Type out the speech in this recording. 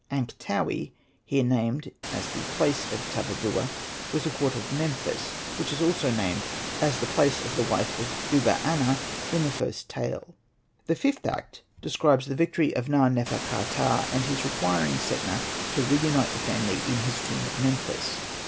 Ankhtaui, here named as the place of Tabubua, was a quarter of Memphis, which is also named as the place of the wife of Uba aner in the first tale. The fifth act describes the victory of Na. nefer.ka.ptah, and his requiring Setna to reunite the family in his tomb at Memphis.